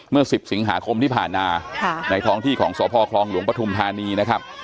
เมื่อ๑๐สิงหาคมที่ผ่านมาในท้องที่ของสพคลองหลวงปฐุมธานีนะครับ